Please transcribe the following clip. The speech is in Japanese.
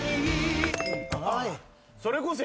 それこそや。